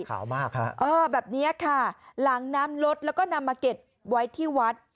ขาวมากฮะเออแบบนี้ค่ะหลังน้ำลดแล้วก็นำมาเก็บไว้ที่วัด